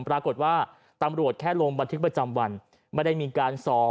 ปรากฏว่าตำรวจแค่ลงบันทึกประจำวันไม่ได้มีการสอบ